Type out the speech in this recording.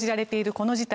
この事態。